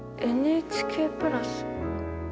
ＮＨＫプラス。